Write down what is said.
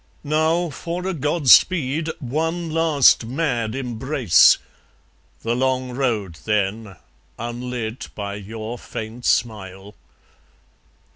Now, for a god speed, one last mad embrace; The long road then, unlit by your faint smile.